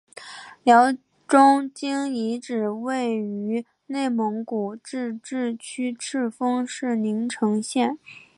辽中京遗址位于内蒙古自治区赤峰市宁城县。